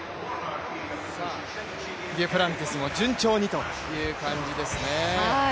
デュプランティスも順調にという感じですね。